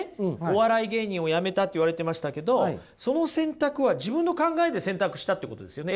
「お笑い芸人を辞めた」って言われてましたけどその選択は自分の考えで選択したってことですよね？